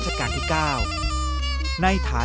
เมื่อเวลาเมื่อเวลา